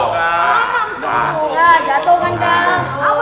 jatuh kan kak